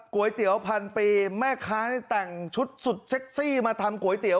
๋วเตี๋ยวพันปีแม่ค้าแต่งชุดสุดเซ็กซี่มาทำก๋วยเตี๋ย